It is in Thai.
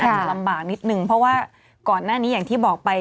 จะลำบากนิดนึงเพราะว่าก่อนหน้านี้อย่างที่บอกไป